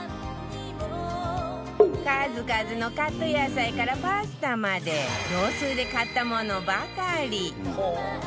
数々のカット野菜からパスタまで業スーで買ったものばかり